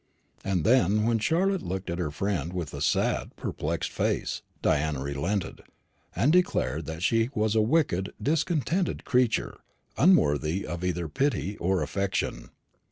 And then when Charlotte looked at her friend with a sad perplexed face, Diana relented, and declared that she was a wicked discontented creature, unworthy of either pity or affection.